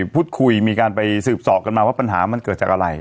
พูดคุยมีการไปสืบสอบกันมาว่าปัญหามันเกิดจากอะไร